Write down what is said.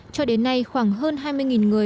cho đến nay khoảng hơn hai mươi người